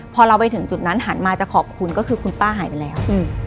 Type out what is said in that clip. พอเราไปถึงจุดนั้นหันมาจะขอบคุณก็คือคุณป้าหายไปแล้ว